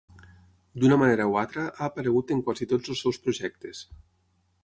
D'una manera o altra ha aparegut en quasi tots els seus projectes.